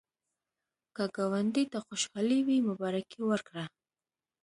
که ګاونډي ته خوشالي وي، مبارکي ورکړه